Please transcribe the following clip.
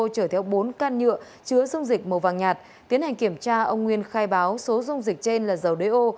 chở theo bốn căn nhựa chứa dung dịch màu vàng nhạt tiến hành kiểm tra ông nguyên khai báo số dung dịch trên là dầu đê ô